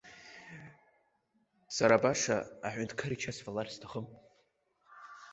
Сара баша аҳәынҭқар ича сфалар сҭахым.